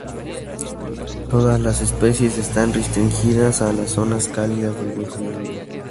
Todas las especies están restringidas a las zonas cálidas del Viejo Mundo.